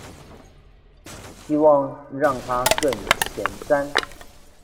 希望讓他更前瞻